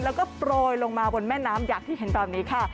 แล้วก็โปรยลงมาบนแม่น้ำอย่างที่เห็นตอนนี้ค่ะ